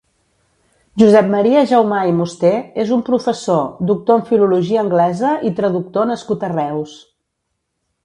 Josep Maria Jaumà i Musté és un professor, doctor en filologia anglesa i traductor nascut a Reus.